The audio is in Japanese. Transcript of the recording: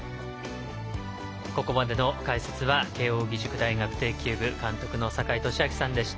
ここまでの解説は慶応義塾大学庭球部監督の坂井利彰さんでした。